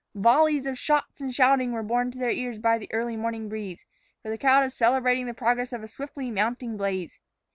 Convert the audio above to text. Volleys of shots and shouting were borne to their ears by the early morning breeze, for the crowd was celebrating the progress of a swiftly mounting blaze.